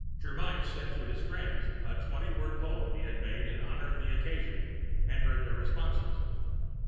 Germyn said for his friends a twenty word poem he had made in honor of the occasion and heard their responses.